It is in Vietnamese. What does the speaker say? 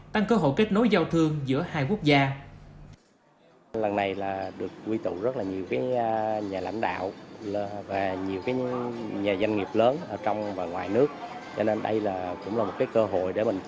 tăng cơ hội kết nối giao thương giữa hai quốc gia